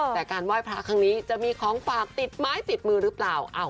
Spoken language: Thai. แต่การไหว้พระครั้งนี้จะมีของฝากติดไม้ติดมือหรือเปล่า